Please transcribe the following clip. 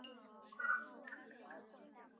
大穆瓦厄夫尔人口变化图示